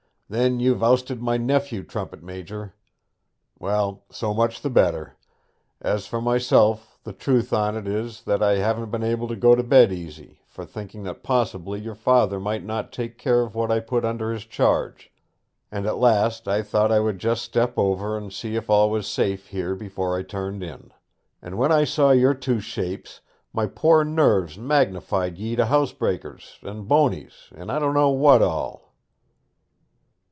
Then you've ousted my nephew, trumpet major! Well, so much the better. As for myself, the truth on't is that I haven't been able to go to bed easy, for thinking that possibly your father might not take care of what I put under his charge; and at last I thought I would just step over and see if all was safe here before I turned in. And when I saw your two shapes my poor nerves magnified ye to housebreakers, and Boneys, and I don't know what all.'